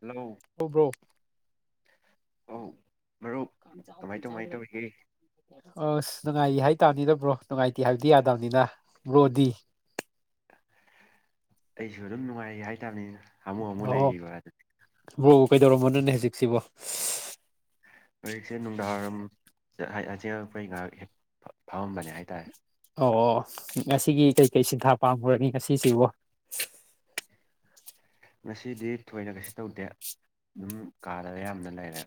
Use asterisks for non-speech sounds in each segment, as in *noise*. hello ꯑꯣꯕ꯭ꯔꯣ ꯑꯧ ꯃꯔꯨꯞ ꯀꯃꯥꯏ ꯀꯃꯥꯏ ꯇꯧꯔꯤꯒꯦ ꯑꯁ ꯅꯨꯡꯉꯥꯏ ꯍꯥꯏꯇꯥꯔꯅꯤꯗ ꯕ꯭ꯔꯣ ꯅꯨꯡꯉꯥꯏꯇꯦ ꯍꯥꯏꯕꯗꯤ ꯌꯥꯗꯕꯅꯤꯅ ꯕ꯭ꯔꯣꯗꯤ ꯑꯩꯁꯨ ꯑꯗꯨꯝ ꯅꯨꯡꯉꯥꯏꯔ ꯍꯥꯏꯇꯥꯔꯅꯤꯅ ꯑꯣ ꯍꯣ ꯕꯔꯣ ꯀꯩꯗꯧꯔꯝꯃꯣꯅꯣꯅꯦ ꯍꯧꯖꯤꯛꯁꯤꯕꯣ ꯍꯧꯖꯤꯛꯁꯦ ꯅꯨꯡꯗꯥꯡꯋꯥꯏꯔꯝꯆꯉꯛꯄꯩ ꯉꯥꯏꯍꯥꯛ ꯐꯑꯝꯕꯅꯦ ꯍꯥꯏꯇꯥꯔꯦ ꯑꯣ ꯑꯣ ꯉꯁꯤꯒꯤ ꯀꯩꯀꯩ ꯁꯤꯟꯊꯥ ꯄꯥꯝꯈꯨꯔꯅꯤ ꯉꯁꯤꯁꯤꯕ ꯉꯁꯤꯗꯤ ꯊꯣꯏꯅ ꯀꯩꯁꯨ ꯇꯧꯗꯦ ꯑꯗꯨꯝ ꯀꯥꯗ ꯌꯥꯝꯅ ꯂꯩꯔꯦ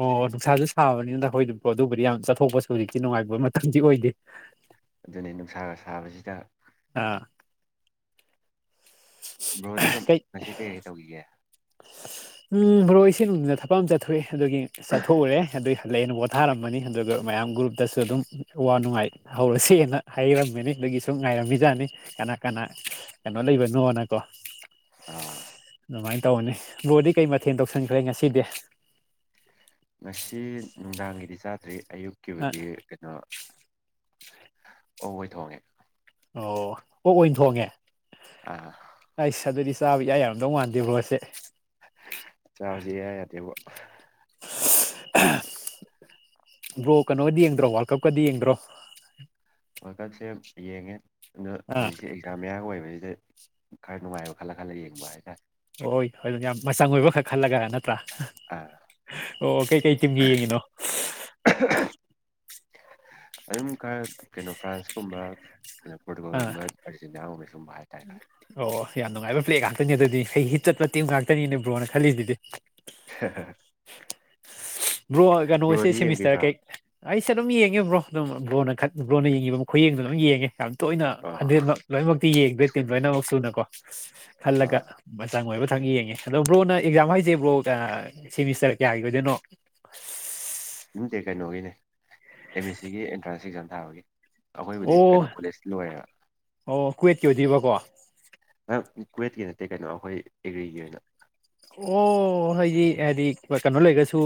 ꯑꯣ ꯅꯨꯡꯁꯥꯁꯨ ꯁꯥꯕꯅꯤꯅꯈꯣꯏꯗꯨꯣ ꯑꯗꯨꯕꯨꯗꯤ ꯌꯥꯝ ꯆꯠꯊꯣꯛꯄꯁꯨ ꯍꯧꯖꯤꯛꯇꯤ ꯅꯨꯡꯉꯥꯏꯕ ꯃꯇꯝꯗꯤ ꯑꯣꯏꯗꯦ ꯑꯗꯨꯅꯤ ꯅꯨꯡꯁꯥꯒ ꯁꯥꯕꯁꯤꯗ ꯑꯥ ꯕ꯭ꯔꯣꯗꯤ ꯀꯩ ꯉꯁꯤ ꯀꯩꯀꯩ ꯇꯧꯈꯤꯒꯦ ꯎꯝ ꯕꯣ ꯏꯁꯤꯡ ꯅꯨꯡꯃꯤꯗ ꯊꯛ ꯑꯃ ꯆꯠꯊꯣꯛꯑꯦ ꯑꯗꯨꯒꯤ ꯆꯠꯊꯣꯛꯎꯔꯦ ꯑꯗꯨꯒꯤ ꯍꯜꯂꯛꯑꯦꯅ ꯄꯣꯊꯥꯔꯝꯕꯅꯤ ꯑꯗꯨꯒ ꯃꯌꯥꯝ ꯒ꯭ꯔꯨꯞꯇꯁꯨ ꯑꯗꯨꯝ ꯑ ꯋꯥ ꯅꯨꯡꯉꯥꯏ ꯍꯧꯔꯁꯦꯅ ꯍꯥꯏꯔꯝꯃꯤꯅꯤ ꯑꯗꯨꯒꯤ ꯁꯨꯝ ꯉꯥꯏꯔꯝꯃꯤꯖꯥꯠꯅꯤ ꯀꯅꯥ ꯀꯅꯥ ꯀꯩꯅꯣ ꯂꯩꯕꯅꯣꯅꯀꯣ ꯑꯥ ꯑꯗꯨꯃꯥꯏꯅ ꯇꯧꯔꯅꯤ ꯕꯣꯔꯗꯤ ꯀꯩ ꯃꯊꯦꯜ ꯇꯧꯁꯤꯟꯈ꯭ꯔꯦ ꯉꯁꯤꯗꯤ ꯉꯁꯤ ꯅꯨꯡꯗꯥꯡꯒꯤꯗꯤ ꯆꯥꯗ꯭ꯔꯤ ꯑꯌꯨꯛꯀꯤꯕꯨꯗꯤ ꯀꯩꯅꯣ ꯑꯣ ꯑꯣꯏ ꯊꯣꯡꯉꯦ ꯑꯣ ꯑꯣ ꯑꯣꯏꯅ ꯊꯣꯡꯉꯦ ꯑꯥ ꯑꯩꯁ ꯑꯗꯨꯗꯤ ꯆꯥꯕ ꯏꯌꯥ ꯌꯥꯝꯗꯧ ꯃꯥꯟꯗꯦꯕ꯭ꯔꯣꯁꯦ ꯆꯥꯕꯁꯦ ꯏꯌꯥ ꯌꯥꯗꯦꯕꯣ *unintelligible* ꯕ꯭ꯔꯣ ꯀꯩꯅꯣꯗꯤ ꯌꯦꯡꯗ꯭ꯔꯣ ꯋꯥꯔꯜ ꯀꯞꯀꯗꯤ ꯌꯦꯡꯗ꯭ꯔꯣ ꯋꯥꯔꯜ ꯀꯞꯁꯦ ꯌꯦꯡꯉꯦ ꯑꯗꯣ ꯑꯥ ꯍꯧꯖꯤꯛꯁꯦ ꯑꯦꯛꯖꯥꯝ ꯃꯌꯥ ꯑꯣꯏꯕꯁꯤꯗ ꯈꯔ ꯅꯨꯡꯉꯥꯏꯕ ꯈꯜꯂ ꯈꯜꯂ ꯌꯦꯡꯕ ꯍꯥꯏꯒ ꯍꯣꯏ ꯍꯣꯏ ꯑꯗꯨ ꯌꯥꯝ ꯃꯆꯪ ꯑꯣꯏꯕ ꯈꯛ ꯈꯜꯂꯒ ꯅꯠꯇ꯭ꯔꯥ ꯑꯥ ꯑꯣ ꯀꯩꯀꯩ ꯇꯤꯝꯒꯤ ꯌꯦꯡꯉꯤꯅꯣ ꯑꯗꯨꯝ ꯈꯔ ꯀꯩꯅꯣ ꯐ꯭ꯔꯥꯟꯁꯀꯨꯝꯕ ꯑꯥ ꯐꯣꯀꯁꯤ ꯁꯨꯝ ꯍꯥꯏ ꯇꯥꯏꯈꯔꯦ ꯇꯠꯇꯅꯤ ꯑꯗꯨꯗꯤ ꯍꯩ ꯍꯤ ꯆꯠꯂꯠꯇꯦꯛ ꯉꯥꯛꯇꯅꯤꯅꯦ ꯕ꯭ꯔꯣꯅ ꯈꯜꯂꯤꯁꯤꯗꯤ ꯕ꯭ꯔꯣ ꯀꯩꯅꯣꯁꯦ ꯕ꯭ꯔꯣꯗꯤ ꯁꯦꯃꯤꯁꯇꯔ ꯌꯦꯡꯕꯤꯗ꯭ꯔꯣ ꯀꯩ ꯑꯩꯁꯦ ꯑꯗꯨꯝ ꯌꯦꯡꯉꯦꯕꯣ ꯑꯗꯨꯝꯕ꯭ꯔꯣꯅ ꯕ꯭ꯔꯣꯅ ꯌꯦꯡꯉꯕ ꯃꯈ ꯈꯨꯌꯦꯡꯗꯨꯣ ꯑꯗꯨꯝ ꯌꯦꯡꯉꯦ ꯇꯣꯏꯅ ꯑꯥ ꯍꯟꯗꯦꯠꯃꯛ ꯂꯣꯏꯅꯃꯛꯇꯤ ꯌꯦꯡꯗ꯭ꯔꯦ ꯇꯤꯝ ꯂꯣꯏꯅꯃꯛ ꯁꯨꯅꯀꯣ ꯈꯜꯂꯒ ꯑꯥ ꯃꯆꯪ ꯑꯣꯏꯕ ꯃꯈꯤꯊ ꯌꯦꯡꯉꯦ ꯑꯗꯣ ꯕ꯭ꯔꯣꯅ ꯑꯦꯛꯖꯥꯝ ꯍꯥꯏꯁꯦ ꯕ꯭ꯔꯣ ꯁꯦꯃꯤꯁꯇꯔ ꯀꯌꯥꯒꯤ ꯑꯣꯏꯗꯣꯏꯅꯣ ꯑꯗꯨꯝꯗꯤ ꯀꯩꯅꯣꯒꯤꯅꯦ ꯑꯦꯝ ꯑꯦꯁ ꯁꯤꯒꯤ ꯑꯦꯟꯇ꯭ꯔꯥꯟꯁ ꯑꯦꯛꯖꯥꯝ ꯊꯥꯕꯒꯤ ꯑꯩꯈꯣꯏꯕꯨꯗꯤ ꯀꯩꯅꯣ ꯑꯣ ꯀꯣꯂꯦꯖ ꯂꯣꯏꯔꯦꯕ ꯑꯣ ꯀꯨꯋꯦꯠꯀꯤ ꯑꯣꯏꯗꯣꯏꯔꯤꯕꯀꯣ ꯅꯪ ꯀꯒꯋꯦꯠꯀꯤ ꯅꯠꯇꯦ ꯀꯩꯅꯣ ꯑꯩꯈꯣꯏ ꯑꯦꯒ꯭ꯔꯤꯒꯤ ꯑꯣꯏꯅ ꯑꯣ ꯍꯥꯏꯗꯤ ꯍꯥꯏꯗꯤ ꯀꯩꯅꯣ ꯂꯩꯔꯒꯁꯨ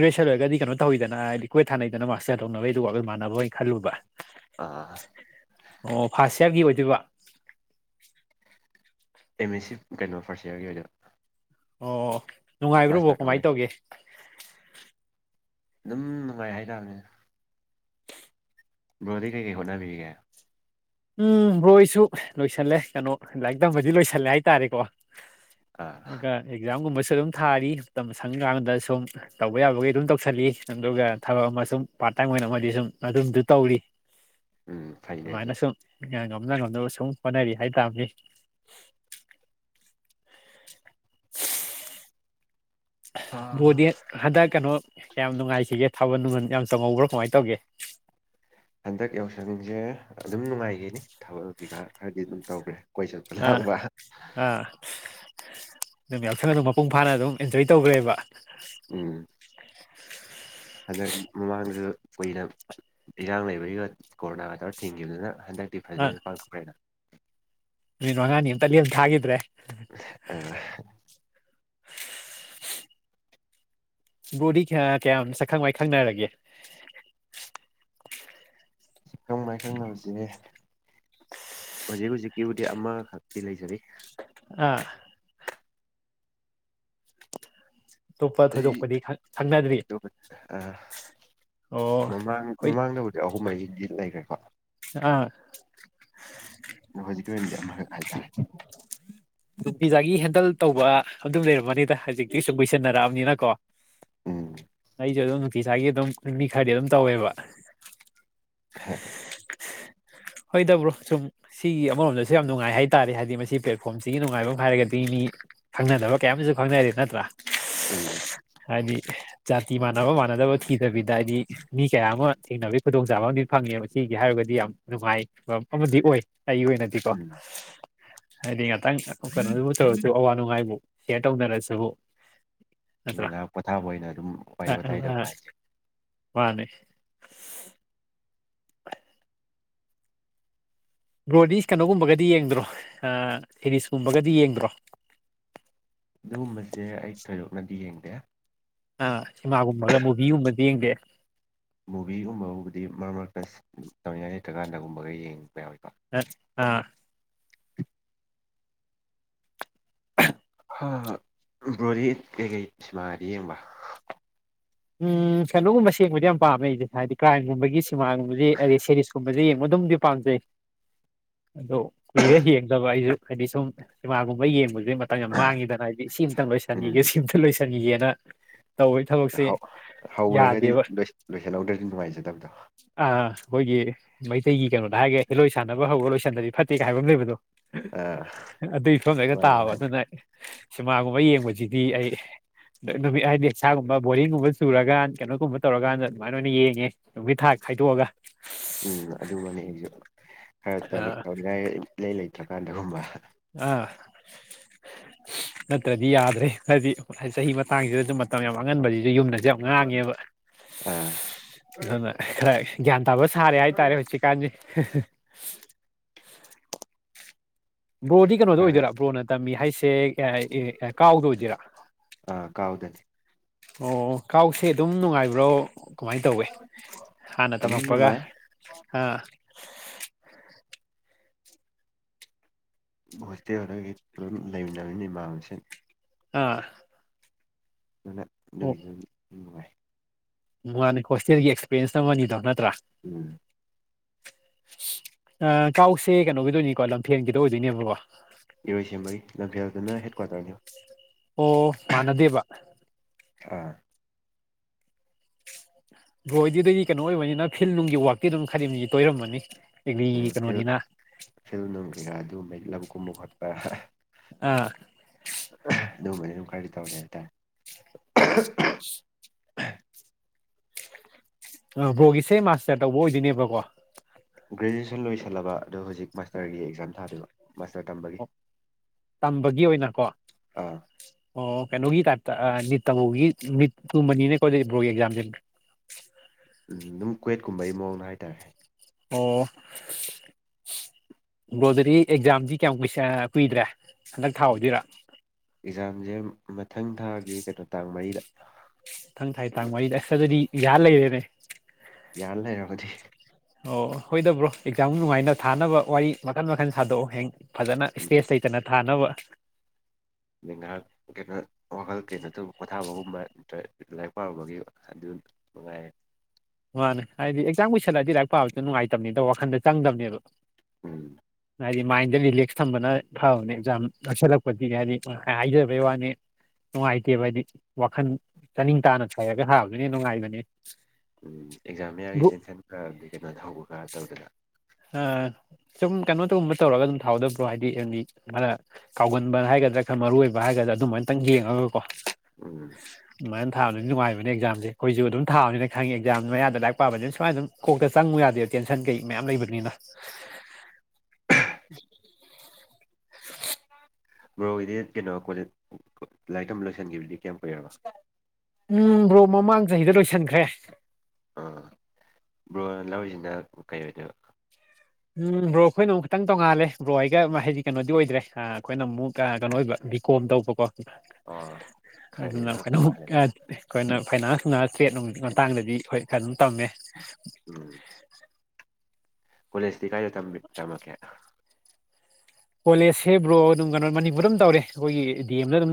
ꯒ꯭ꯔꯦꯁꯔ ꯑꯣꯏꯔꯒꯗꯤ ꯀꯩꯅꯣ ꯇꯧꯋꯤꯗꯅ ꯍꯥꯏꯗꯤ ꯀꯣꯏ ꯁꯥꯟꯅꯩꯗꯅ ꯃꯥꯁꯇꯌꯥ ꯇꯧꯅꯕꯩ ꯑꯗꯨꯒ ꯑꯩꯈꯣꯏ ꯃꯥꯟꯅꯕ ꯑꯣꯏꯅ ꯈꯜꯂꯨꯕ ꯑꯥ ꯑꯣ ꯐꯥꯔꯁ ꯏꯌꯥꯔꯒꯤ ꯑꯣꯏꯗꯣꯏꯕ ꯑꯦꯝ ꯑꯦꯁ ꯁꯤ ꯀꯩꯅꯣ ꯐꯥꯔꯁ ꯌꯔꯒꯤ ꯑꯣꯏꯅ ꯑꯣ ꯅꯨꯡꯉꯥꯏꯕ꯭ꯔꯕꯣ ꯃꯥꯁꯇꯔ ꯇꯧꯕꯩ ꯀꯃꯥꯏꯅ ꯇꯧꯒꯦ ꯑꯗꯨꯝ ꯅꯨꯡꯉꯥꯏ ꯍꯥꯏꯇꯥꯔꯅꯦ ꯕꯔꯣꯗꯤ ꯀꯩꯀꯩ ꯍꯣꯠꯅꯕꯤꯒ ꯎꯝ ꯍꯣꯏꯁꯨ ꯂꯣꯏꯁꯤꯜꯂꯦ ꯀꯩꯅꯣ ꯂꯥꯏꯔꯤꯛ ꯇꯝꯕꯗꯤ ꯂꯣꯏꯁꯜꯂꯦ ꯍꯥꯏꯇꯥꯔꯦꯀꯣ ꯑꯥ ꯀ ꯑꯦꯛꯖꯥꯝꯒꯨꯝꯁ ꯑꯗꯨꯝ ꯊꯥꯔꯤ ꯃꯇꯝ ꯁꯪꯀꯥꯟꯗ ꯁꯨꯝ ꯇꯧꯕ ꯌꯥꯕꯒꯤ ꯑꯗꯨꯝ ꯇꯧꯁꯜꯂꯤ ꯑꯗꯨꯒ ꯊꯕꯛ ꯑꯃ ꯁꯨꯝ ꯄ ꯉꯥꯛꯇꯪ ꯑꯣꯏꯅ ꯑꯃꯗꯤꯗꯤ ꯁꯨꯝ ꯑꯗꯨꯝꯁꯨ ꯇꯧꯔꯤ ꯎꯝ ꯐꯩ ꯂꯩ ꯑꯗꯨ ꯑꯗꯨꯃꯥꯏꯅ ꯁꯨꯝ ꯉꯝꯅ ꯉꯝꯅꯕ ꯁꯨꯝ ꯍꯣꯠꯅꯔꯤ ꯍꯥꯏꯇꯥꯥꯔꯅꯤ *unintelligible* ꯍꯥ ꯕꯣꯗꯤ ꯍꯟꯗꯛ ꯀꯩꯅꯣ ꯌꯥꯝ ꯅꯨꯡꯉꯥꯏꯁꯤꯒꯦ ꯊꯥꯕꯜ ꯅꯨꯡꯃ ꯌꯥꯝ ꯆꯪꯍꯧꯕ꯭ꯔꯣ ꯀꯃꯥꯏꯅ ꯇꯧꯒꯦ ꯍꯟꯗꯛ ꯌꯥꯎꯁꯪꯁꯦ ꯑꯗꯨꯝ ꯅꯨꯡꯉꯥꯏꯈꯤꯅꯤ ꯊꯕꯛ ꯀꯩꯀꯥ ꯈꯔꯗꯤ ꯑꯗꯨꯝ ꯇꯧꯈ꯭ꯔꯦ ꯀꯣꯏ ꯆꯠꯄ ꯑꯥ ꯂꯥꯡꯕ ꯑꯥ ꯑꯗꯨꯝ ꯌꯥꯎꯁꯪꯅ ꯑꯗꯨꯝ ꯃꯄꯨꯡ ꯐꯥꯅ ꯑꯗꯨꯝ ꯑꯦꯟꯖꯣꯏ ꯇꯧꯈ꯭ꯔꯦꯕ ꯎꯝ ꯍꯟꯗꯛ ꯃꯃꯥꯡꯗ ꯀꯨꯏꯅ ꯏꯔꯥꯡ ꯂꯩꯕꯒ ꯀꯣꯔꯣꯅꯥꯒ ꯇꯧꯔ ꯊꯤꯡꯈꯤꯕꯗꯨꯅ ꯍꯟꯗꯔꯇꯤ ꯐꯥꯏꯖꯅ ꯄꯥꯡꯊꯣꯛꯈ꯭ꯔꯦꯅ ꯅꯣ ꯉꯅꯤ ꯑꯝꯇ ꯒꯥꯞ ꯊꯥꯒꯤꯗ꯭ꯔꯦ ꯑ ꯕꯣꯗꯤ ꯀꯌꯥ ꯀꯌꯥꯝ ꯁꯛꯈꯪ ꯋꯥꯏ ꯈꯪꯅꯔꯒꯦ ꯁꯈꯪ ꯃꯥꯏ ꯈꯪꯅꯕꯁꯤꯅꯦ ꯍꯧꯖꯤꯛ ꯍꯧꯖꯤꯛꯀꯤꯕꯨꯗꯤ ꯑꯃꯈꯛꯇꯤ ꯂꯩꯖꯔꯤ ꯑꯥ ꯑꯣꯞꯄ ꯑꯇꯩ ꯊꯣꯏꯗꯣꯛꯄꯗꯤ ꯈꯪꯅꯗ꯭ꯔꯤ ꯑꯇꯣꯞꯄ ꯑꯣ ꯃꯃꯥꯡ ꯍꯣꯏ ꯃꯃꯥꯡꯗꯕꯨꯗꯤꯛ ꯑꯍꯨꯝ ꯃꯔꯤꯗꯤ ꯂꯩꯈ꯭ꯔꯦꯀꯣ ꯑꯥ ꯍꯣꯖꯤꯟꯗꯤ ꯍꯥꯏꯇꯥ ꯅꯨꯡꯇꯤꯖꯥꯒꯤ ꯍꯦꯟꯗꯜ ꯇꯧꯕ ꯑꯗꯨꯝ ꯂꯩꯔꯝꯃꯅꯤꯗ ꯍꯧꯖꯤꯛꯇꯤ ꯁꯨꯡ ꯀꯣꯏꯁꯟꯅꯔꯛꯑꯅꯤꯅꯀꯣ ꯎꯝ ꯑꯩꯁꯨ ꯑꯗꯨꯝ ꯅꯨꯡꯇꯤ ꯁ꯭ꯋꯥꯒꯤ ꯑꯗꯨꯝ ꯃꯤ ꯈꯔꯗꯤ ꯑꯗꯨꯝ ꯇꯧꯋꯦꯕ ꯍꯝ ꯍꯣꯏꯗꯕ꯭ꯔꯣ ꯁꯨꯝ ꯁꯤꯒꯤ ꯑꯃꯔꯣꯝꯗꯁꯨ ꯌꯥꯝ ꯅꯨꯡꯉꯥꯏ ꯍꯥꯏꯇꯥꯥꯔꯦ ꯍꯥꯏꯗꯤ ꯃꯁꯤ ꯄ꯭ꯂꯦꯠꯐꯣꯝꯁꯤꯒꯤ ꯅꯨꯡꯉꯥꯏꯐꯝ ꯑꯃ ꯍꯥꯏꯔꯒꯗꯤ ꯃꯤ ꯈꯪꯅꯗꯕ ꯀꯌꯥ ꯑꯃꯁꯨ ꯈꯪꯅꯔꯤ ꯅꯠꯇ꯭ꯔꯥ ꯎꯝ ꯍꯥꯏꯗꯤ ꯖꯥꯇꯤ ꯃꯥꯟꯅꯕ ꯃꯥꯟꯅꯗꯕ ꯊꯤꯗꯕꯤꯗ ꯍꯥꯏꯗꯤ ꯃꯤ ꯀꯌꯥ ꯑꯃ ꯊꯦꯡꯅꯕꯒꯤ ꯈꯨꯗꯣꯡꯆꯥꯕ ꯑꯃꯗꯤ ꯐꯪꯉꯦ ꯃꯁꯤꯒꯤ ꯍꯥꯏꯔꯒꯗꯤ ꯌꯥꯝ ꯅꯨꯡꯉꯥꯏ ꯐꯤꯕꯝ ꯑꯃꯗꯤ ꯑꯣꯏ ꯑꯩꯒꯤ ꯑꯣꯏꯅꯗꯤꯀꯣ ꯎꯝ ꯍꯥꯏꯗꯤ ꯉꯥꯛꯇꯪ ꯀꯩꯅꯣꯗꯨꯕꯨꯊꯔꯁꯨ ꯑꯋꯥ ꯅꯨꯡꯉꯥꯏꯕꯨ ꯁꯦꯌꯔ ꯇꯧꯅꯔꯁꯤꯕꯨ ꯉꯥꯏꯍꯥꯛ ꯄꯣꯊꯥꯕ ꯑꯣꯏꯅ ꯑꯗꯨꯝ ꯋꯥꯔꯤ ꯋꯥꯇꯥꯏ ꯇꯧꯕ ꯍꯥꯏꯁꯦ *unintelligible* ꯕ꯭ꯔꯣꯗꯤꯁ ꯀꯩꯅꯣꯒꯨꯝꯕꯒꯗꯤ ꯌꯦꯡꯗ꯭ꯔꯣ ꯁꯦꯔꯤꯁꯀꯨꯝꯕꯒꯗꯤ ꯌꯦꯡꯗ꯭ꯔꯣ ꯑꯗꯨꯒꯨꯝꯕꯁꯦ ꯑꯩ ꯊꯣꯏꯗꯣꯛꯅꯗꯤ ꯌꯦꯡꯕ ꯑ ꯏꯃꯥꯒꯨꯝꯕꯒ ꯃꯨꯚꯒꯨꯝꯕꯗꯤ ꯌꯦꯡꯗꯦ ꯃꯨꯚꯤꯒꯨꯝꯕꯕꯨꯕꯨꯗꯤ ꯃꯔꯛ ꯃꯔꯛꯇ ꯇꯧꯅꯤꯡꯉꯥꯏ ꯂꯩꯇ꯭ꯔꯀꯥꯟꯗꯒꯨꯝꯕꯒ ꯌꯦꯡꯕ ꯌꯥꯎꯋ ꯑ ꯑꯥ ꯕ꯭ꯔꯣꯗꯤ ꯀꯩꯀꯩ ꯁꯤꯃꯥꯗꯤ ꯌꯦꯡꯕ ꯎꯝ ꯀꯩꯅꯣꯒꯨꯝꯕ ꯁꯦꯡꯕꯗꯤ ꯌꯥꯝ ꯄꯥꯝꯃꯦ ꯑꯩꯁꯦ ꯍꯥꯏꯗꯤ ꯀ꯭ꯔꯥꯏꯝꯒꯨꯝꯕꯒꯤ ꯁꯤꯅꯦꯃꯥꯒꯨꯝꯕꯁꯤꯦ ꯑꯗꯩ ꯁꯦꯔꯤꯁꯀꯨꯝꯕꯁꯤꯁꯦ ꯌꯦꯡꯕꯗ ꯑꯗꯨꯝꯗꯤ ꯄꯥꯝꯖꯩ ꯑꯗꯣ ꯀꯨꯏꯔꯦ ꯌꯦꯡꯗꯕ ꯑꯩꯁꯨ ꯍꯥꯏꯗꯤ ꯁꯨꯝ ꯁꯤꯃꯥꯒꯨꯝꯕ ꯌꯦꯡꯕꯁꯨ ꯑꯗꯨꯩ ꯃꯇ ꯌꯥꯝ ꯃꯥꯡꯉꯤꯗꯅ ꯍꯥꯏꯗꯤ ꯁꯤ ꯑꯃꯇꯪ ꯂꯣꯏꯁꯤꯟꯈꯤꯒꯦ ꯎꯝ ꯁꯤ ꯑꯃꯇ ꯂꯣꯏꯁꯤꯟꯈꯤꯒꯦꯅ ꯇꯧꯋ ꯊꯕꯛꯁꯦ ꯍꯧꯈ꯭ꯔꯒꯗꯤ ꯌꯥꯗꯦꯕ ꯂꯣꯏꯁꯤꯜꯍꯧꯗ꯭ꯔꯗꯤ ꯅꯨꯡꯉꯥꯏꯖꯗꯕꯗꯣ ꯑ ꯑꯩꯈꯣꯏꯒꯤ ꯃꯩꯇꯩꯒꯤ ꯀꯩꯅꯣꯗ ꯍꯥꯏꯒꯦꯂꯣꯏ ꯁꯥꯟꯅꯕ ꯍꯧꯒ ꯂꯣꯏ ꯁꯟꯗꯕꯤ ꯐꯠꯇꯦ ꯀꯥꯏ ꯍꯥꯏꯕ ꯑꯃ ꯂꯩꯕꯗꯣ ꯑꯥ ꯑꯗꯨꯏ ꯏꯐꯝꯗꯩꯒ ꯃꯥꯅꯤ ꯇꯥꯕ ꯃꯥꯅꯤ ꯑꯗꯨꯅ ꯁꯤꯅꯦꯃꯥꯒꯨꯝꯕ ꯌꯦꯡꯕꯁꯤꯗꯤ ꯑꯩ ꯅꯨꯃꯤꯠ ꯍꯥꯏꯗꯤ ꯏꯁꯥꯒꯨꯝꯕ ꯕꯣꯔꯤꯡꯒꯨꯝꯕ ꯆꯨꯔꯀꯥꯟ ꯀꯩꯅꯣꯒꯨꯝꯕ ꯇꯧꯔꯀꯥꯟꯗ ꯑꯗꯨꯃꯥꯏꯅ ꯑꯣꯏꯅ ꯌꯦꯡꯉꯦ ꯅꯨꯒꯤꯠ ꯊꯥꯛ ꯈꯥꯏꯗꯣꯛꯑꯒ ꯎꯝ ꯑꯗꯨꯝꯕꯅꯤ ꯑꯩꯁꯨ ꯈꯔ ꯇꯧꯅꯤ ꯇꯧꯅꯤꯉꯥꯏ ꯏ ꯂꯩ ꯂꯩꯇ꯭ꯔꯀꯥꯟꯗꯒꯨꯝꯕ ꯑꯥ ꯅꯠꯇ꯭ꯔꯗꯤ ꯌꯥꯗ꯭ꯔꯦ ꯍꯥꯏꯗꯤ ꯆꯍꯤ ꯃꯇꯥꯡꯁꯤꯗꯁꯨ ꯃꯇꯝ ꯌꯥꯝ ꯑꯉꯟꯕꯁꯤꯕꯁꯤꯁꯨ ꯌꯨꯝꯗ ꯌꯥꯝ ꯌꯥꯝ ꯉꯥꯡꯉꯦꯕ ꯑꯥ ꯑꯗꯨꯅ ꯈꯔ ꯒ꯭ꯌꯥꯟ ꯇꯕꯨꯣ ꯁꯔꯦ ꯍꯥꯏꯇꯥꯔꯦ ꯍꯧꯁꯤꯤ ꯀꯥꯟꯁꯤ ꯕ꯭ꯔꯣꯗꯤ ꯀꯩꯅꯣꯗ ꯈꯔ ꯑꯣꯏꯗꯣꯏꯔꯥ ꯕ꯭ꯔꯣꯅ ꯇꯝꯃꯤ ꯍꯥꯏꯁꯦ ꯀꯥꯎꯗ ꯑꯣꯏꯗꯣꯏꯔꯥ ꯀꯥꯎꯗꯅꯦ ꯑꯣ ꯀꯥꯎꯁꯦ ꯑꯗꯨꯝ ꯅꯨꯡꯉꯥꯏꯕ꯭ꯔꯣ ꯀꯃꯥꯏꯅ ꯇꯧꯋꯦ ꯍꯥꯟꯅ ꯑꯗꯨꯝ ꯇꯝꯃꯛꯄꯒ ꯅꯨꯡꯉꯥꯏ ꯑ ꯚꯣꯁꯇꯤ ꯑꯣꯏꯔꯒꯒꯤ ꯄꯨꯝ ꯂꯩꯃꯤꯟꯅꯕꯅꯤꯃꯁꯤꯡ ꯑꯥ ꯑꯗꯨꯅ ꯑꯗꯨꯒꯤꯁꯨ ꯑꯗꯨꯝ ꯅꯨꯡꯉꯥꯏ ꯃꯥꯥꯟ ꯍꯣꯇꯦꯜꯒꯤ ꯑꯦꯛꯁꯄꯤꯔꯤꯌꯦꯟꯁ ꯇꯧꯃꯅꯤꯗꯕ ꯅꯠꯇ꯭ꯔ ꯎꯝ ꯀꯥꯎꯁꯦ ꯀꯩꯅꯣꯒꯤꯗꯣꯏꯅꯤꯀꯣ ꯂꯝꯐꯦꯟꯒꯤꯗ ꯑꯣꯏꯗꯣꯏꯅꯦꯕꯀꯣ ꯏꯔꯣꯏꯁꯦꯝꯃꯔꯤ ꯂꯝꯐꯦꯜꯗꯨꯅ ꯍꯦꯠꯀ꯭ꯋꯥꯇꯔꯅꯤ ꯃꯅꯗꯦꯕ ꯑꯥ ꯕꯣꯏꯗꯨꯗꯗꯤ ꯀꯩꯅꯣ ꯑꯣꯏꯕꯅꯤꯅ ꯐꯤꯜ ꯅꯨꯡꯒꯤ ꯋꯥꯛꯇꯤ ꯑꯗꯨꯝ ꯈꯗꯤꯝ ꯇꯣꯏꯔꯃꯅꯤ ꯐꯤꯜ ꯐꯤꯜ ꯅꯨꯡ ꯀꯩꯀꯥ ꯑꯗꯨ ꯃꯩꯛ ꯂꯝ ꯀꯨꯝꯕ ꯈꯣꯠꯄ ꯑ ꯑꯥ ꯑꯗꯨꯒꯨꯝꯕꯅꯤ ꯑꯗꯨꯝ ꯀꯔꯗꯤ ꯇꯧꯔꯦ ꯍꯥꯏꯇꯥꯔꯦ ꯑ ꯕꯣꯒꯤꯁꯦ ꯃꯥꯁꯇꯔ ꯇꯧꯕ ꯑꯣꯏꯗꯣꯏꯅꯦꯕꯀꯣ ꯒ꯭ꯔꯦꯖꯨꯑꯁꯟ ꯂꯣꯏꯜꯂꯕ ꯑꯗ ꯍꯧꯖꯤꯛ ꯃꯥꯁꯇꯔꯒꯤ ꯑꯦꯛꯖꯥꯝ ꯊꯥꯗꯕ ꯑꯣ ꯇꯝꯕꯒꯤ ꯑꯣꯏꯅꯀꯣ ꯑꯥ ꯑꯣ ꯀꯩꯅꯣꯒꯤ ꯇꯥꯏꯞ ꯅꯤꯠ ꯇꯥꯃꯣꯒꯤ ꯅꯤꯠꯀꯨꯝꯕꯅꯤꯅꯦ ꯀꯣꯗ ꯕ꯭ꯔꯣꯒꯤ ꯑꯦꯛꯖꯥꯝꯁꯤ ꯑꯗꯨꯝ ꯀ꯭ꯋꯦꯠꯀꯨꯝꯕꯩ ꯃꯑꯣꯡꯗ ꯍꯥꯏꯇꯥꯔꯦ ꯑꯣ ꯭ꯂꯣꯗꯗꯤ ꯑꯦꯛꯖꯥꯝꯁꯤ ꯀꯌꯥꯝ ꯀꯨꯏ ꯀꯨꯏꯗ꯭ꯔꯦ ꯍꯟꯗꯛ ꯊꯥꯎꯍꯗꯔꯥ ꯑꯦꯛꯖꯥꯝꯁꯦ ꯃꯊꯪ ꯊꯥꯒꯤ ꯀꯩꯅꯣ ꯇꯥꯡ ꯃꯔꯤꯗ ꯏꯊꯪ ꯊꯥꯏ ꯇꯥꯡ ꯋꯥꯔꯤꯗ ꯑꯁꯇꯗꯗꯤ ꯌꯥꯍ ꯂꯩꯔꯦꯅꯦ ꯌꯥꯅ ꯂꯩꯔꯒꯗꯤ ꯑꯣ ꯍꯣꯏꯗꯕ꯭ꯔꯣ ꯑꯦꯛꯖꯥꯝ ꯅꯨꯡꯉꯥꯏꯅ ꯊꯥꯅꯕ ꯋꯥꯔꯤ ꯃꯈꯟ ꯃꯈꯟ ꯁꯥꯗꯣꯛꯑꯣ ꯍꯌꯦꯡ ꯐꯖꯅ ꯎꯝ ꯏꯁꯄꯦꯁ ꯂꯩꯇꯅ ꯊꯥꯅꯕ ꯑꯩ ꯉꯥꯏꯍꯥꯛ ꯀꯩꯅꯣ ꯋꯥꯈꯜ ꯀꯩꯅꯣ ꯇꯧꯕ ꯄꯣꯊꯥꯕꯒꯨꯝꯕ ꯅꯠꯇ꯭ꯔ ꯂꯥꯏꯔꯤꯛ ꯄꯥꯔꯕꯒꯤ ꯑꯗꯨ ꯉ ꯃꯥꯅꯦ ꯍꯥꯏꯗꯤ ꯑꯦꯛꯖꯥꯝ ꯀꯨꯏꯜꯂꯑꯗꯤ ꯂꯥꯏꯔꯤꯛ ꯄꯥꯕꯁꯨ ꯅꯨꯡꯉꯥꯏꯇꯕꯅꯤ ꯑꯗ ꯋꯥꯈꯟꯗ ꯆꯪꯗꯕꯅꯦꯕ ꯎꯝ ꯍꯥꯏꯗꯤ ꯃꯥꯏꯟꯗ ꯔꯤꯂꯦꯛꯁ ꯊꯝꯕꯅ ꯐꯕꯅꯦ ꯑꯦꯛꯖꯥꯝ ꯅꯛꯁꯜꯂꯛꯄꯗꯤ ꯍꯥꯏꯗꯤ ꯍꯥꯏꯖꯕꯩ ꯋꯥꯅꯤ ꯅꯨꯡꯉꯥꯏꯇꯦꯕ ꯍꯥꯏꯗꯤ ꯋꯥꯈꯜ ꯆꯥꯅꯤꯡ ꯇꯥꯅ ꯁꯥꯏꯔꯒ ꯊꯕꯗꯨꯅ ꯅꯨꯡꯉꯥꯏꯕꯅꯦ ꯎꯝ ꯑꯦꯛꯖꯥꯝ ꯃꯌꯥꯒꯤ ꯕ꯭ꯔꯣ ꯇꯦꯟꯁꯟ ꯈꯔꯗꯤ ꯀꯩꯅꯣ ꯊꯧꯕ ꯈꯔ ꯇꯧꯗꯅ ꯑ ꯁꯨꯝ ꯀꯩꯅꯣ ꯇꯒꯨꯝꯕ ꯇꯧꯔꯒ ꯑꯗꯨꯝ ꯊꯥꯎꯗꯕ꯭ꯔꯣ ꯍꯥꯏꯗꯤꯗꯤ ꯈꯔ ꯀꯥꯎꯒꯟꯕ ꯍꯥꯏꯒꯗ꯭ꯔꯥ ꯈꯔ ꯃꯔꯨꯑꯣ ꯑꯣꯏꯕ ꯍꯥꯏꯒꯗ꯭ꯔꯥ ꯑꯗꯨꯃꯥꯏꯅꯇꯪ ꯌꯦꯡꯉꯒ ꯀꯣ ꯎꯝ ꯁꯨꯥꯏꯅ ꯊꯕꯅꯤ ꯅꯨꯡꯉꯥꯏꯕꯅꯦ ꯑꯦꯛꯖꯝꯁꯦꯈꯁꯨ ꯑꯗꯨꯝ ꯊꯥꯕꯅꯤ ꯈꯪꯉꯦꯛꯥꯝ ꯃꯌꯥꯗ ꯂꯥꯏꯔꯤꯛ ꯄꯕꯅ ꯁꯨꯃꯅ ꯑꯗꯨꯝ ꯀꯣꯛ ꯆꯪꯕ ꯌꯥ ꯇꯦꯟꯁꯟ ꯀꯩ ꯃꯌꯥꯝ ꯂꯩ ꯀꯅ ꯕ꯭ꯔꯣꯒꯤꯗꯤ ꯀꯩꯅꯣ ꯀꯣ ꯂꯥꯏꯔꯤꯛꯛꯇꯝꯕ ꯂꯣꯏꯁꯤꯟꯈꯤꯕꯗꯤ ꯀꯌꯥꯝ ꯀꯨꯏꯔꯕ ꯎꯝ ꯕ꯭ꯔꯣ ꯃꯃꯥꯡ ꯆꯍꯤꯗ ꯂꯣꯏꯁꯤꯟꯈ꯭ꯔꯦ ꯑꯥ ꯕ꯭ꯔꯣꯟ ꯂꯧꯔꯤꯁꯤꯅ ꯀꯩ ꯑꯣꯏꯗꯣꯏ ꯎꯝ ꯕ꯭ꯔꯣ ꯑꯩꯈꯣꯏꯅ ꯑꯃꯨꯛ ꯈꯤꯇꯪ ꯇꯣꯡꯉꯥꯜꯂꯦ ꯕ꯭ꯔꯣ ꯑꯩꯒ ꯍꯥꯏꯗꯤ ꯀꯩꯅꯣꯗꯤ ꯑꯣꯏꯗ꯭ꯔꯦ ꯑꯩꯈꯣꯏꯅ ꯑꯃꯨꯛ ꯀꯩꯅꯣ ꯑꯣꯏꯕ ꯍꯥꯏꯗꯤ ꯀꯣꯟ ꯇꯧꯕꯀꯣ ꯑ ꯑꯗꯨꯅ ꯑꯩꯈꯣꯏꯅ ꯑꯃꯨꯛ ꯑꯩꯈꯣꯏꯅ ꯐꯥꯏꯅꯥꯟꯁꯅ ꯇ꯭ꯔꯦꯠ ꯅꯨꯡ ꯃꯇꯥꯡꯗꯗꯤ ꯑꯩꯈꯣꯏ ꯀꯩꯅ ꯇꯝꯃꯦ ꯎꯝ ꯀꯣꯂꯦꯖꯇꯤ ꯀꯥꯏꯗ ꯇꯝꯃꯛꯀꯦ ꯀꯣꯂꯦꯖ ꯁꯦꯝꯦꯕ꯭ꯔꯣ ꯑꯗꯨꯝ ꯀꯩꯅꯣ ꯃꯅꯤꯄꯨꯔꯗ ꯑꯗꯨꯝ ꯇꯧꯔꯦ ꯑꯩꯈꯣꯏꯒꯤ ꯗꯤ ꯑꯦꯝꯗ ꯑꯗꯨꯝ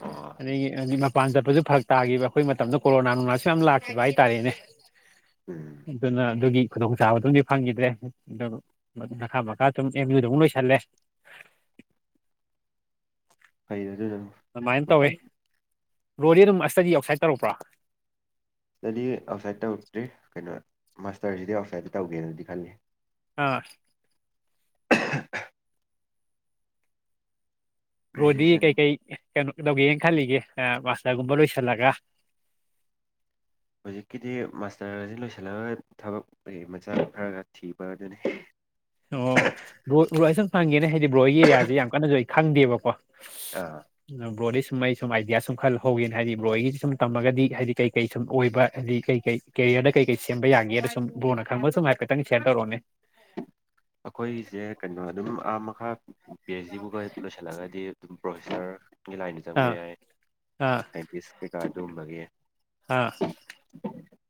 ꯑꯣ ꯑꯗꯨ ꯍꯧ ꯄꯥꯟ ꯆꯠꯄꯁꯨ ꯐꯔꯛ ꯇꯥꯈꯤꯕ ꯑꯩꯈꯣꯏ ꯃꯇꯝꯗ ꯀꯣꯔꯣꯅꯥ ꯅꯨꯡꯅꯥꯁꯨ ꯌꯥꯝ ꯂꯥꯛꯈꯤꯕ ꯍꯥꯏꯇꯥꯔꯦꯅꯦ ꯎꯝ ꯑꯗꯨꯅ ꯑꯗꯨꯒꯤ ꯈꯨꯗꯣꯡ ꯆꯥꯕꯗꯨꯝꯗꯤ ꯐꯪꯈꯤꯗ꯭ꯔꯦ ꯑꯗꯨ ꯃꯈꯥ ꯃꯈꯥ ꯌ ꯂꯣꯏꯁꯂꯦ ꯐꯩ ꯑꯗꯨ ꯑꯗꯨ ꯔꯣꯗꯤ ꯑꯗꯨꯝ ꯑꯁꯇꯗꯤ ꯑꯥꯎꯠꯁꯥꯏꯠ ꯇꯧꯔꯛꯄ꯭ꯔꯥ ꯏꯁꯇꯗꯤ ꯑꯥꯎꯠꯁꯥꯏꯠ ꯇꯧꯔꯛꯇ꯭ꯔꯤ ꯀꯩꯅꯣ ꯃꯥꯁꯇꯔꯁꯤꯗꯤ ꯑꯥꯎꯠꯁꯥꯏꯠꯇ ꯇꯧꯒꯦꯅꯗꯤ ꯈꯜꯂꯤ ꯑ ꯔꯣꯗꯤ ꯒ꯭ꯔꯦꯖꯨꯑꯦꯁꯟ ꯀꯩ ꯀꯩ ꯀꯩꯅꯣ ꯂꯧꯒꯦ ꯌꯦꯡ ꯈꯜꯂꯤꯒ ꯑ ꯋꯥꯁꯒꯨꯝꯕ ꯂꯣꯏꯁꯂꯒ ꯍꯧꯖꯤꯛꯀꯤꯗꯤ ꯃꯥꯁꯇꯔ ꯑꯁꯤ ꯂꯣꯏꯁꯤꯜꯂꯒ ꯊꯕꯛ ꯃꯆꯥ ꯈꯔꯒ ꯊꯤꯕ ꯑꯗꯨꯅꯤ ꯑꯣ ꯕ꯭ꯔꯣꯏ ꯁꯨꯝ ꯐꯪꯒꯦꯅꯦ ꯍꯥꯏꯗꯤ ꯕ꯭ꯔꯣꯏꯒꯤ ꯑꯦꯔꯤꯌꯥꯁꯦ ꯌꯥꯝ ꯀꯟꯅꯁꯨ ꯑꯩ ꯈꯪꯗꯦꯕꯀꯣ ꯑꯥ ꯑ ꯕꯔꯤꯁ ꯁꯨꯝ ꯑꯩ ꯁꯨꯝ ꯑꯥꯏꯗꯤꯌꯥ ꯁꯨꯝ ꯈꯜꯍꯧꯒꯦꯅ ꯍꯥꯏꯗꯤ ꯕ꯭ꯔꯣꯏꯒꯤ ꯁꯨꯝ ꯇꯝꯃꯒꯗꯤ ꯍꯥꯏꯗꯤ ꯀꯩꯀꯩ ꯁꯨꯝ ꯑꯣꯏꯕ ꯍꯥꯏꯗꯤ ꯀꯩ ꯀꯩ ꯀꯩ ꯗ ꯀꯩ ꯀꯩ ꯁꯦꯝꯕ ꯌꯥꯒꯦ ꯁꯨꯝ ꯕꯣꯔꯅ ꯈꯪꯕ ꯁꯨꯝ ꯍꯥꯏꯐꯦꯠꯇꯪ ꯁꯦꯔ ꯇꯧꯔꯛꯑꯣꯅꯦ ꯎ ꯑꯩꯈꯣꯏꯒꯤꯁꯦ ꯀꯩꯅꯣ ꯑꯗꯨꯝ ꯑꯥ ꯃꯈꯥ ꯄꯤ ꯑꯩꯆ ꯗꯤꯕꯨꯒ ꯂꯣꯏꯁꯤꯜꯂꯒꯗꯤ ꯑꯗꯨꯝ ꯄ꯭ꯔꯣꯐꯦꯁꯔꯒꯤ ꯂꯥꯏꯟꯗ ꯆꯪꯕ ꯑꯥ ꯌꯥꯏ ꯑꯥ ꯁꯥꯏꯟꯇꯤꯁ ꯀꯩꯀꯥ ꯑꯗꯨꯒꯨꯝꯕꯒꯤ ꯑꯥ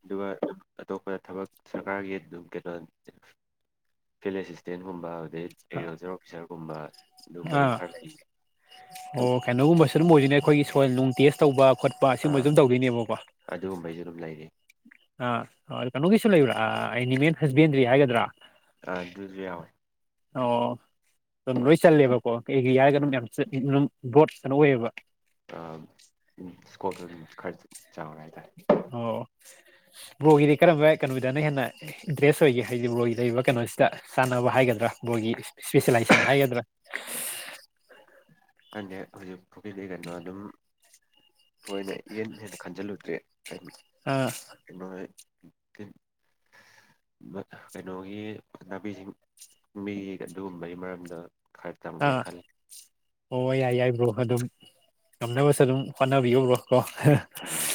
ꯑꯗꯨꯒꯝ ꯑꯇꯣꯞꯄ ꯊꯕꯛ ꯁꯔꯀꯥꯔꯒꯤ ꯑꯗꯨꯝ ꯀꯩꯅꯣ ꯐꯤ ꯑꯦꯁꯤꯁꯇꯦꯟꯒꯨꯝꯕ ꯑꯗꯩ ꯑꯦꯒ꯭ꯔꯤꯀꯜꯆꯔ ꯑꯣꯐꯤꯁꯥꯔꯒꯨꯝꯕ ꯑꯗꯨꯒꯝꯕ ꯑꯥ ꯑꯗꯨꯝ ꯑꯥ ꯈꯔ ꯂꯩ ꯑꯗꯨꯨꯝ ꯑꯣꯏꯁꯤꯅꯦ ꯑꯩꯈꯣꯏꯒꯤ ꯁꯣꯏꯜ ꯅꯨꯡ ꯇꯦꯁ ꯇꯧꯕ ꯈꯣꯠꯄ ꯁꯤꯒꯨꯝꯕ ꯑꯥ ꯑꯗꯨꯝ ꯇꯧꯗꯣꯏꯅꯦꯕꯀꯣ ꯑꯗꯨꯒꯨꯝꯕꯩꯁꯨ ꯑꯗꯨꯝ ꯂꯩꯔꯤ ꯑ ꯀꯩꯅꯣꯒꯤꯁꯨ ꯂꯩꯕ꯭ꯔꯥ ꯑꯦꯅꯤꯃꯦꯜ ꯍꯁꯕꯦꯟꯗ꯭ꯔꯤ ꯍꯥꯏꯒꯗ꯭ꯔꯥ ꯑ ꯑꯗꯨꯁꯔꯤ ꯌꯥꯋꯥꯣꯏ ꯑꯣ ꯑꯗꯨꯝ ꯂꯣꯏ ꯆꯜꯂꯦꯕꯀꯣ ꯀ ꯌꯥꯔꯒ ꯑꯗꯨꯝ ꯕꯣꯠꯇꯅ ꯑꯣꯏꯌꯦꯕ ꯑ ꯁꯀꯣꯇ ꯈꯔꯆ ꯆꯉꯒꯥꯏꯇꯥꯔ ꯑꯣ ꯕ꯭ꯔꯣꯒꯤꯗꯤ ꯀꯔꯝꯕ ꯀꯩꯅꯣꯗꯅ ꯍꯦꯟꯅ ꯏꯟꯇꯔꯦꯁ ꯑꯣꯏꯒꯦ ꯍꯥꯏꯗꯤ ꯕ꯭ꯔꯣꯒꯤ ꯂꯩꯔꯤꯕ ꯀꯩꯅꯣꯁꯤꯗ ꯁꯥꯟꯅꯕ ꯍꯥꯏꯒ ꯍꯥꯏꯒꯗ꯭ꯔꯥ ꯃꯕꯣꯏꯒꯤ ꯏꯁꯄꯤꯦꯁꯂꯥꯏꯦꯁꯟ ꯍꯥꯏꯒꯗ꯭ꯔꯥ ꯊꯣꯛꯀꯩ ꯀꯩꯅꯣ ꯑꯗꯨꯝ ꯊꯣꯏꯅ ꯌꯦꯟ ꯍꯦꯟꯅ ꯈꯟꯖꯜꯂꯨꯗ꯭ꯔꯦ ꯀꯩꯅ ꯑꯥ ꯀꯩꯅꯣ ꯀꯩꯅꯣꯒꯤ ꯅꯥꯄꯤꯁꯤꯡꯕꯤꯒꯤ ꯑꯗꯨꯒꯨꯝꯕꯒꯤ ꯃꯔꯝꯗ ꯈꯔ ꯇꯝꯒꯦꯅ ꯑꯥ ꯈꯜꯂꯤ ꯑꯣ ꯌꯥꯏ ꯌꯥꯏꯕ꯭ꯔꯣ ꯑꯗꯨꯝ ꯉꯝꯅꯕꯁꯨ ꯑꯗꯨꯝ ꯍꯣꯠꯅꯕꯤꯌꯧꯕ꯭ꯔꯣ ꯀꯣ ꯎꯝ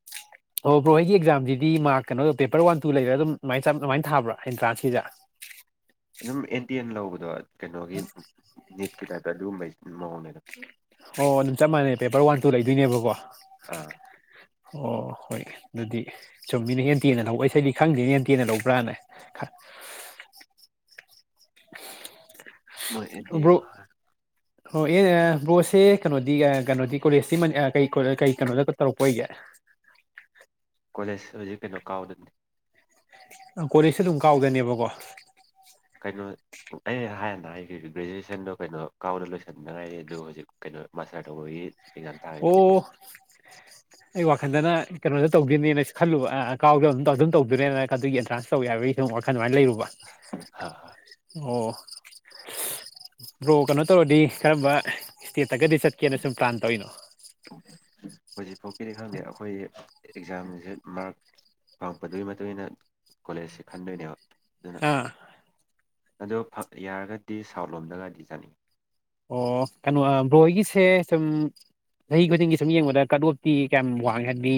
*unintelligible* ꯑꯣ ꯕ꯭ꯔꯣ ꯑꯩꯒꯤ ꯑꯦꯛꯖꯥꯝꯁꯤꯗꯤ ꯃꯥꯔ ꯀꯩꯅꯣꯗꯣ ꯄꯦꯄꯔ ꯋꯥꯟ ꯇꯨ ꯂꯩꯔꯒ ꯑꯗꯨꯝꯥꯏ ꯑꯗꯨꯃꯥꯏꯅ ꯊꯥꯕ꯭ꯔꯥ ꯑꯦꯟꯇ꯭ꯔꯥꯟꯁꯁꯤꯗ ꯑꯗꯨꯝ ꯑꯦꯟꯇꯤ ꯑꯦꯟ ꯂꯧꯕꯗꯣ ꯀꯩꯅꯣꯒꯤ ꯅꯤꯠꯀꯤ ꯇꯥꯏꯞꯇ ꯑꯗꯨꯒꯨꯝꯕꯩꯁꯦ ꯑꯣ ꯑꯗꯨꯝ ꯆꯞ ꯃꯥꯟꯅꯩ ꯄꯦꯄꯔ ꯋꯥꯟ ꯇꯨ ꯂꯩꯗꯣꯏꯅꯦꯕꯀꯣ ꯑꯥ ꯑꯣ ꯍꯣꯏ ꯑꯗꯨꯗꯤ ꯁꯨꯝꯝ ꯃꯤꯅ ꯍꯦꯟ ꯇꯦꯟꯅ ꯂꯧꯕ ꯏꯁꯩꯗꯤ ꯈꯪꯗꯦꯅ ꯍꯦ ꯇꯦꯟꯅ ꯂꯧꯕ꯭ꯔꯥꯅꯦ *unintelligible* *unintelligible* ꯃ ꯕ꯭ꯔꯣ ꯑꯦꯗꯤꯕꯔ ꯑꯣ ꯑꯦꯅꯦ ꯕ꯭ꯔꯣꯁꯦ ꯀꯩꯅꯣꯗꯤ ꯀꯩꯅꯣꯗꯤ ꯀꯣꯂꯦꯖꯇꯤ ꯀ ꯀꯩ ꯀꯩꯅꯣꯗ ꯇꯧꯔꯛꯄ ꯑꯣꯏꯒꯦ ꯀꯣꯂꯦꯖ ꯍꯧꯖꯤꯛ ꯀꯩꯅꯣ ꯀꯥꯎꯗꯅꯤ ꯀꯣꯂꯦꯖꯁ ꯑꯗꯨꯝ ꯀꯥꯎꯗꯅꯦꯕꯀꯣ ꯀꯩꯅꯣ ꯑꯩ ꯍꯥꯏ ꯅ ꯒ꯭ꯔꯦꯖꯨꯋꯦꯁꯟꯗꯣ ꯀꯩꯅꯣ ꯀꯥꯎꯗ ꯂꯣꯏꯁꯟꯟꯅꯉꯥꯏꯔꯤꯦ ꯑꯗꯨ ꯍꯧꯖꯤꯛ ꯀꯩꯅꯣ ꯃꯥꯁꯇꯔ ꯇꯧꯕꯒꯤ ꯑꯦꯛꯖꯥꯝ ꯊꯥꯒꯗꯣꯏꯅꯦ ꯑꯣ ꯑꯩ ꯋꯥꯈꯟꯗꯅ ꯀꯩꯅꯣꯗ ꯇꯧꯒꯅꯦꯅꯁꯨꯜꯂꯨ ꯑ ꯀꯥꯎꯗ ꯑꯗꯨꯝ ꯑꯗꯨꯝ ꯇꯧꯗꯔꯅ ꯑꯗꯨꯒꯤ ꯑꯦꯗꯚꯥꯟꯁ ꯇꯧ ꯌꯥ ꯍꯥꯏꯕꯒꯤ ꯋꯥꯜ ꯑꯗꯨꯃꯥꯏꯅ ꯂꯩꯔꯨꯕ ꯑꯣ ꯣꯛ ꯀꯩꯅꯣ ꯇꯧꯔꯗꯤ ꯀꯔꯝꯕ ꯏꯁꯇꯦꯠꯇꯒꯗꯤ ꯆꯠꯀꯦꯅ ꯁꯨꯝ ꯄ꯭ꯂꯥꯟ ꯇꯧꯔꯤꯅꯣ ꯍꯧꯖꯤꯛꯐꯥꯎꯀꯤꯗꯤ ꯈꯪꯗꯦ ꯑꯩꯈꯣꯏ ꯑꯦꯛꯖꯥꯝꯁꯦ ꯃꯥꯔꯛ ꯐꯪꯉꯛꯄꯗꯨꯒꯤ ꯃꯇꯨꯡ ꯏ ꯃꯇꯨꯡꯏꯟꯅ ꯀꯣꯂꯦꯖꯁꯦ ꯈꯟꯗꯣꯏꯅꯦꯕ ꯑꯥ ꯑꯗꯨꯅ ꯑꯣ ꯌꯥꯔꯒꯗꯤ ꯁꯥꯎꯠ ꯂꯣꯝꯗꯒꯗꯤ ꯆꯥꯅꯤꯡꯉꯤ ꯑꯣ ꯀꯩꯅꯣ ꯕ꯭ꯔꯣꯏꯒꯤꯁꯦ ꯁꯨꯝ ꯆꯍꯤ ꯈꯨꯗꯤꯡꯒꯤ ꯁꯨꯝ ꯌꯦꯡꯕꯗ ꯀꯠ ꯑꯣꯐꯇꯤ ꯀꯌꯥꯝ ꯋꯥꯡꯉꯦ ꯍꯥꯏꯕꯗꯤ